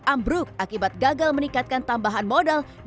ambruk akibat gagal meningkatkan tambahan modal